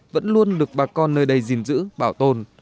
vẫn luôn được bà con nơi đây gìn giữ bảo tồn